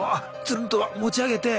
つるんと持ち上げて。